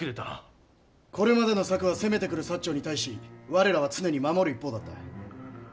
これまでの策は攻めてくる長に対し我らは常に守る一方だった。